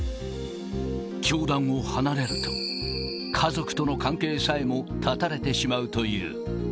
教団を離れると、家族との関係さえも絶たれてしまうという。